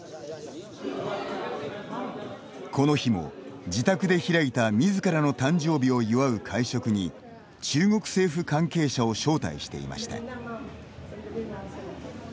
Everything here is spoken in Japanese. この日も、自宅で開いたみずからの誕生日を祝う会食に中国政府関係者を招待していました。